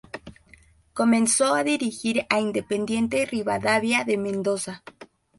Comenzó a dirigir a Independiente Rivadavia de Mendoza.